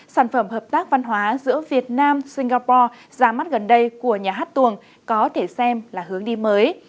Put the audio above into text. sản phẩm hợp tác văn hóa giữa việt nam singapore ra mắt gần đây của nhà hát tuồng có thể xem là hướng đi mới